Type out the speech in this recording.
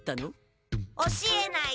教えない！